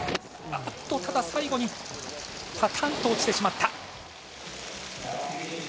あっと、ただ最後に、タタンと落ちてしまった。